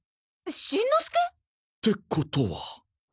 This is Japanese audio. しんのすけ？ってことは。